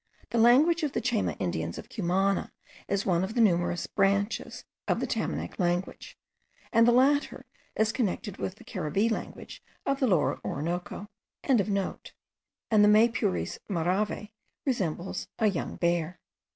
The language of the Chayma Indians of Cumana is one of the numerous branches of the Tamanac language, and the latter is connected with the Caribbee language of the Lower Orinoco.) and the Maypures marave, resembles a young bear.